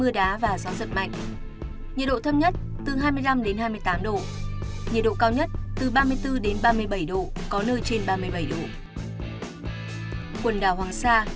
quần đảo trường sa